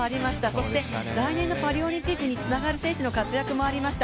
そして、来年のパリオリンピックにつながる活躍もありました。